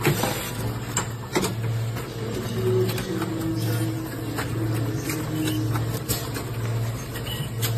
Ekitundu kirina okusoomooza mu kufuna amasannyalaze